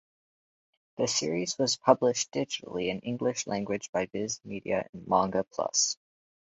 The series was published digitally in English language by Viz Media and Manga Plus.